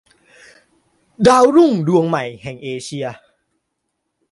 ดาวรุ่งดวงใหม่แห่งเอเชีย